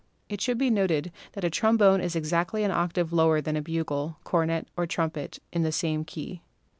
(It should be noted that a trombone is exactly an octave lower than a bugle, cornet or trumpet in the same key.)